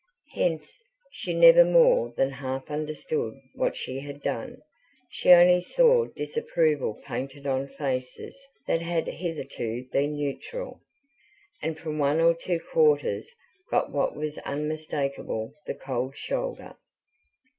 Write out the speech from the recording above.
Hence, she never more than half understood what she had done. She only saw disapproval painted on faces that had hitherto been neutral, and from one or two quarters got what was unmistakably the cold shoulder.